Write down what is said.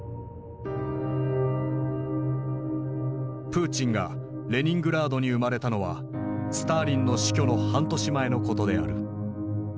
プーチンがレニングラードに生まれたのはスターリンの死去の半年前のことである。